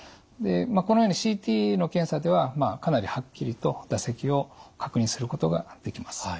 このようにＣＴの検査ではかなりはっきりと唾石を確認することができます。